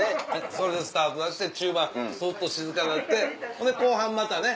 それでスタートダッシュして中盤スッと静かになってほんで後半またね